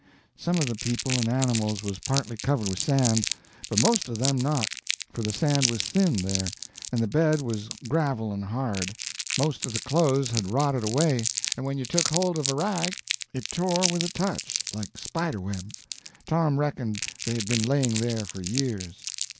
Some of the people and animals was partly covered with sand, but most of them not, for the sand was thin there, and the bed was gravel and hard. Most of the clothes had rotted away; and when you took hold of a rag, it tore with a touch, like spiderweb. Tom reckoned they had been laying there for years.